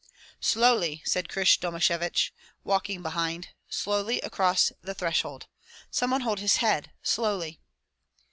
"Slowly," said Krysh Domashevich, walking behind, "slowly across the threshold. Let some one hold his head. Slowly!"